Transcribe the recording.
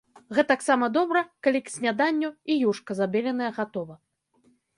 Гэтаксама добра, калі к сняданню й юшка забеленая гатова.